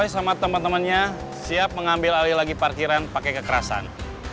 saya sama teman temannya siap mengambil alih lagi parkiran pakai kekerasan